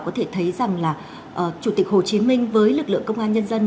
có thể thấy rằng là chủ tịch hồ chí minh với lực lượng công an nhân dân